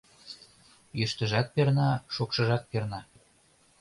Йӱштыжат перна, шокшыжат перна.